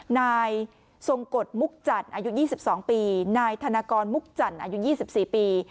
นายทรงกฎมุกจันทร์อายุ๒๒ปีนายธนากรมุกจันทร์อายุ๒๔ปี